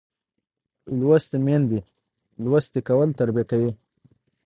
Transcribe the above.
لوستې میندې لوستی کول تربیه کوي